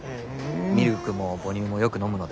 ミルクも母乳もよく飲むので。